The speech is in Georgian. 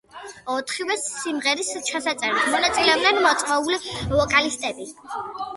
ოთხივე სიმღერის ჩაწერაში მონაწილეობდნენ მოწვეული ვოკალისტები.